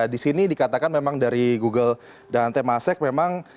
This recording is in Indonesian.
di sini dikatakan memang dari google dan temasek memang